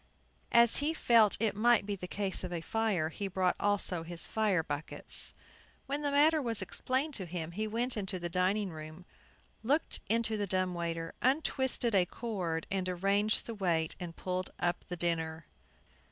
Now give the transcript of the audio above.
As he felt it might be a case of fire, he brought also his fire buckets. When the matter was explained to him, he went into the dining room, looked into the dumb waiter, untwisted a cord, and arranged the weight, and pulled up the dinner.